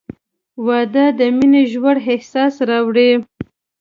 • واده د مینې ژور احساس راوړي.